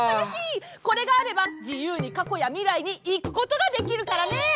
これがあればじゆうにかこやみらいにいくことができるからね！